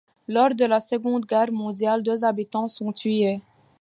Lors de la Seconde Guerre mondiale, deux habitants sont tués.